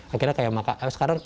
akhirnya kayak makanan